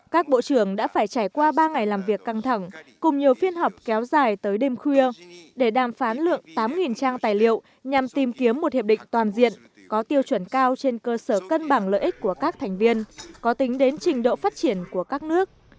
các bộ trưởng đã phải trải qua ba ngày làm việc căng thẳng cùng nhiều phiên họp kéo dài tới đêm khuya để đàm phán lượng tám trang tài liệu nhằm tìm kiếm một hiệp định toàn diện có tiêu chuẩn cao trên cơ sở cân bằng lợi ích của các thành viên có tính đến trình độ phát triển của các nước